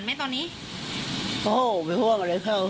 ไม่ห่วง